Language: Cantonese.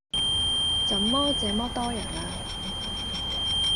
怎麼這麼多人呀？